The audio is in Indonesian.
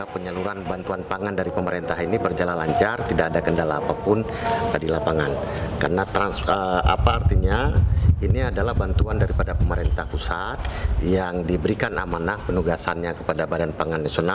pertama penyelenggaraan penyelenggaraan yang diberikan amanah penugasannya kepada bpn